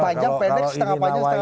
panjang pendek setengah panjang setengah